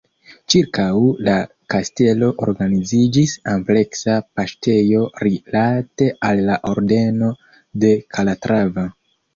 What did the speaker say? Ĉirkaŭ la kastelo organiziĝis ampleksa paŝtejo rilate al la Ordeno de Kalatrava.